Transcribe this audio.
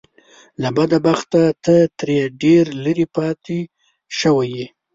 له بده بخته ته ترې ډېر لرې پاتې شوی يې .